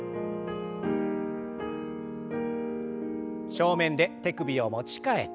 正面で手首を持ち替えて。